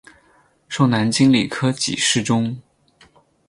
授南京礼科给事中。